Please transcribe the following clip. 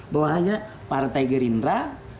bahwa hanya partai gerindra